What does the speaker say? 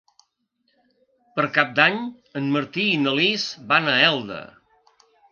Per Cap d'Any en Martí i na Lis van a Elda.